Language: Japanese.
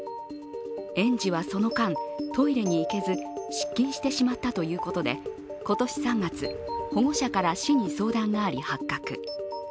園児はその間、トイレに行けず、失禁してしまったということで今年３月、保護者から市に相談があり、発覚。